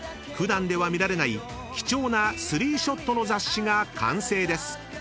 普段では見られない貴重なスリーショットの雑誌が完成です］